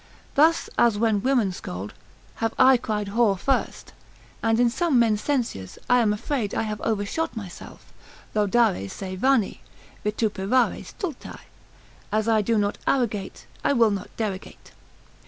Thus, as when women scold, have I cried whore first, and in some men's censures I am afraid I have overshot myself, Laudare se vani, vituperare stulti, as I do not arrogate, I will not derogate.